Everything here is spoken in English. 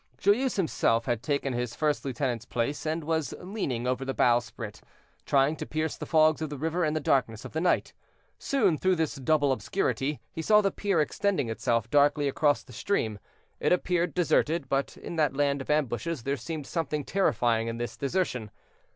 Joyeuse himself had taken his first lieutenant's place, and was leaning over the bowsprit, trying to pierce the fogs of the river and the darkness of the night. Soon, through this double obscurity, he saw the pier extending itself darkly across the stream; it appeared deserted, but, in that land of ambushes, there seemed something terrifying in this desertion.